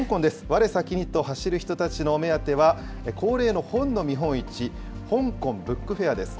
われさきにと走る人たちのお目当ては、恒例の本の見本市、香港ブックフェアです。